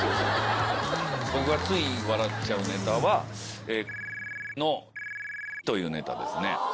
僕がつい笑っちゃうネタは、×××の×××というネタですね。